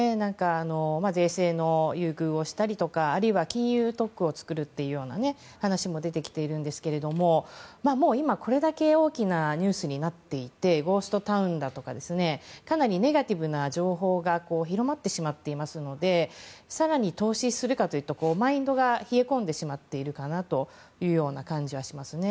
税制の優遇をしたりとかあるいは、金融特区を作るという話も出てきているんですけれども今、これだけ大きなニュースになっていてゴーストタウンだとかかなりネガティブな情報が広まってしまっていますので更に投資するかというとマインドが冷え込んでしまっているかなというような感じはしますね。